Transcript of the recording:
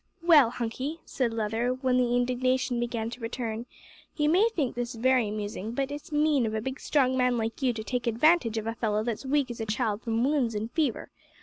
"Well, Hunky," said Leather, while the indignation began to return, "you may think this very amusing, but it's mean of a big strong man like you to take advantage of a fellow that's as weak as a child from wounds an' fever.